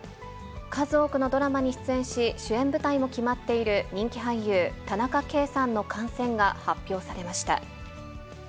数多くのドラマに出演し、主演舞台も決まっている人気俳優、田中圭さんの感染が発表されました。